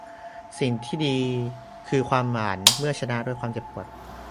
สิ่งที่ดีคือความหวานเมื่อชนะด้วยความเจ็บปวด